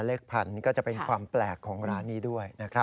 เลขพันธุ์ก็จะเป็นความแปลกของร้านนี้ด้วยนะครับ